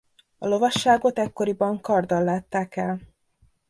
A lovasságot ekkoriban karddal látták el.